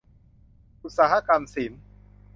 อุตสาหกรรมศิลป์